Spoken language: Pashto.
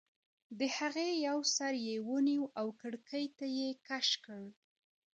د هغې یو سر یې ونیو او کړکۍ ته یې کش کړ